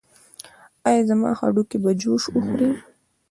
ایا زما هډوکي به جوش وخوري؟